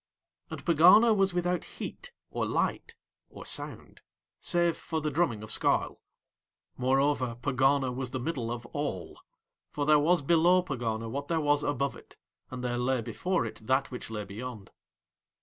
And Pegana was without heat or light or sound, save for the drumming of Skarl; moreover Pegana was The Middle of All, for there was below Pegana what there was above it, and there lay before it that which lay beyond.